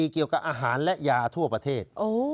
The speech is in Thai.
เกี่ยวกับอาหารและยาทั่วประเทศ